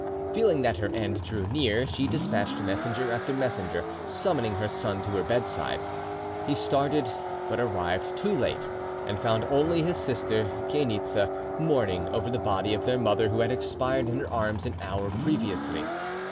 Feeling that her end drew near, she despatched messenger after messenger, summoning her son to her bedside. He started, but arrived too late, and found only his sister Chainitza mourning over the body of their mother, who had expired in her arms an hour previously.